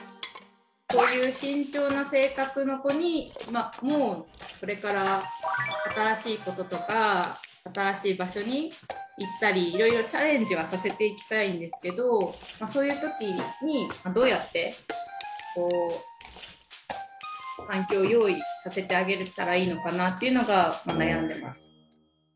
こういう慎重な性格の子にもこれから新しいこととか新しい場所に行ったりいろいろチャレンジはさせていきたいんですけどそういう時にどうやって環境を用意させてあげれたらいいのかなっていうのが悩んでます。